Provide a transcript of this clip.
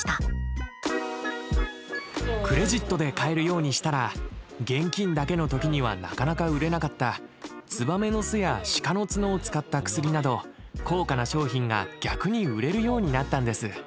クレジットで買えるようにしたら現金だけの時にはなかなか売れなかったツバメの巣や鹿の角を使った薬など高価な商品が逆に売れるようになったんです。